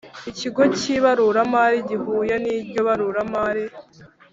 ikigo cy ibaruramari gihuye n iryo baruramari